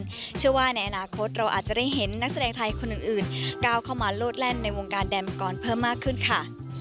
เพราะเชื่อว่าในอนาคตเราอาจจะได้เห็นนักแสดงไทยคนอื่นก้าวเข้ามาโลดแล่นในวงการแดมังกรเพิ่มมากขึ้นค่ะ